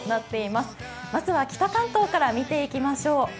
まずは北関東から見ていきましょう。